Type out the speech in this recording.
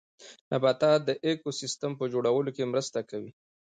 نباتات د ايکوسيستم په جوړولو کې مرسته کوي